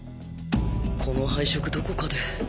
この配色どこかで